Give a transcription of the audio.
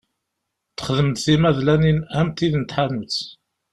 Texdem-d timadlanin am tid n tḥanut.